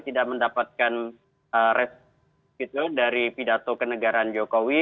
tidak mendapatkan respon dari pidato kenegaraan jokowi